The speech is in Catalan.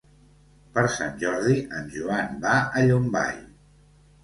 Per Sant Jordi en Joan va a Llombai.